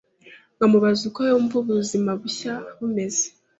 nkamubaza uko yumva ubuzima bushya bumeze.